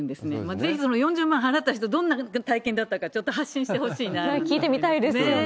ぜひ、その４０万払った人、どんな体験だったか、ちょっと発信し聞いてみたいですよね。